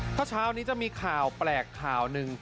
ถ้าเช้านี้จะมีข่าวแปลกข่าวหนึ่ง